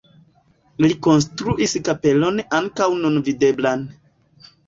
Ili konstruis kapelon ankaŭ nun videblan.